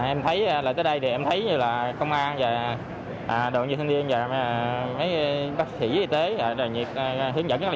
em thấy là tới đây thì em thấy như là công an và đội nhân viên và các bác sĩ y tế hiến dẫn rất là